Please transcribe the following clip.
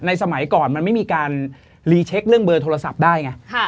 สมัยก่อนมันไม่มีการรีเช็คเรื่องเบอร์โทรศัพท์ได้ไง